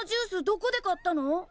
どこで買ったの？